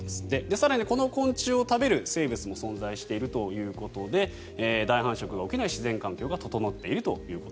更に、この昆虫を食べる生物も存在しているということで大繁殖が起きない自然環境が整っていると。